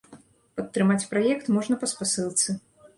Падтрымаць праект можна па спасылцы.